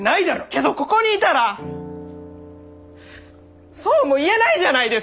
けどここにいたらそうも言えないじゃないですか！